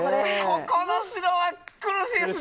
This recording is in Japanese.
ここの白は苦しいですね。